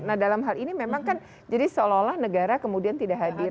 nah dalam hal ini memang kan jadi seolah olah negara kemudian tidak hadir